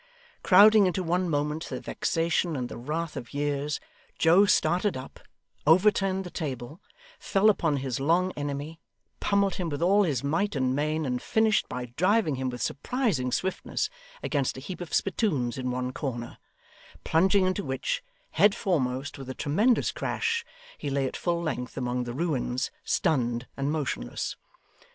Crowding into one moment the vexation and the wrath of years, Joe started up, overturned the table, fell upon his long enemy, pummelled him with all his might and main, and finished by driving him with surprising swiftness against a heap of spittoons in one corner; plunging into which, head foremost, with a tremendous crash, he lay at full length among the ruins, stunned and motionless.